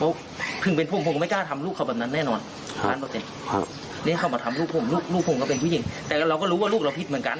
เพราะพึ่งเป็นพุ่งพุ่งก็ไม่กล้าทำลูกเขาแบบนั้นแน่นอนครับนี่เขามาทำลูกพุ่งลูกพุ่งก็เป็นผู้หญิงแต่เราก็รู้ว่าลูกเราผิดเหมือนกัน